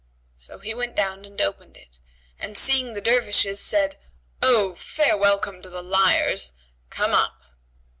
So he went down and opened it and seeing the Dervishes, said, "Oh, fair welcome to the liars! Come up."